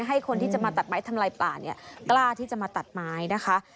ให้คนที่จะมาตัดไม้ทำลายป่าเนี่ยกล้าที่จะมาตัดไม้นะคะ